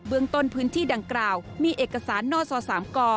เบื้องต้นพื้นที่ดังกล่าวมีเอกสารนอกสอสามก่อ